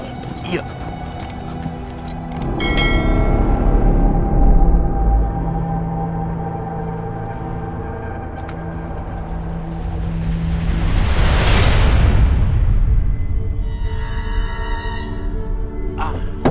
lepur dari saya